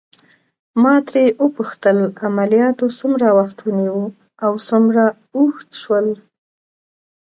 ما ترې وپوښتل: عملياتو څومره وخت ونیو او څومره اوږد شول؟